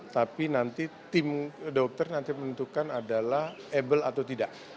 tapi nanti tim dokter nanti menentukan adalah abel atau tidak